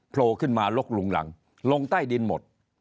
โผล่ขึ้นมาลกลุงหลังลงใต้ดินหมด